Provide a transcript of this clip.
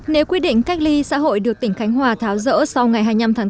nếu quy định cách ly xã hội được tỉnh khánh hòa tháo rỡ sau ngày hai mươi năm tháng bốn